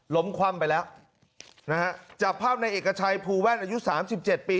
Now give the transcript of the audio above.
คว่ำไปแล้วนะฮะจับภาพในเอกชัยภูแว่นอายุสามสิบเจ็ดปี